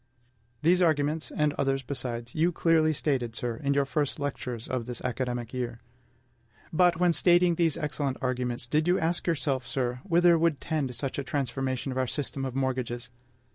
These arguments, and others besides, you clearly stated, sir, in your first lectures of this academic year. But, when stating these excellent arguments, did you ask yourself, sir, whither would tend such a transformation of our system of mortgages?...